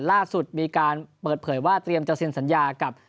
ล่าสุดมีการเปิดเผยว่าเตรียมจะเซ็นสัญญากับ